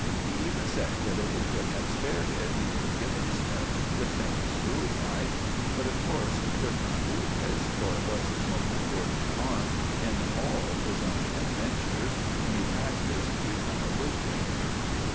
He even said that if he could have spared it he would have given Smythe the famous bowie knife; but of course he could not do this, for it was his most important arm in all his own adventures when he practised to become a bushranger.